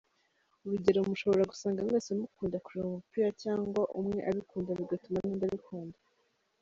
Urugero mushobora gusanga mwese mukunda kureba umupira cyangwa umwe abikunda bigatuma n’undi abikunda.